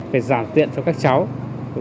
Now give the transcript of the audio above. phải giảm tiện cho các cháu